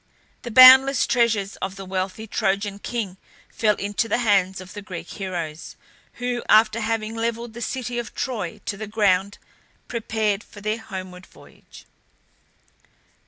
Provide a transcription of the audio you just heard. The boundless treasures of the wealthy Trojan king fell into the hands of the Greek heroes, who, after having levelled the city of Troy to the ground, prepared for their homeward voyage.